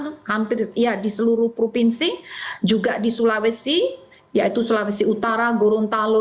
hampir ya di seluruh provinsi juga di sulawesi yaitu sulawesi utara gorontalo